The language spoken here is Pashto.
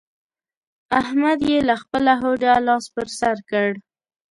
احمد يې له خپله هوډه لاس پر سر کړ.